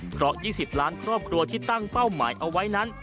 เพราะ๒๐ล้านครอบครัวที่ตั้งเป้าหมายเอาไว้นั้น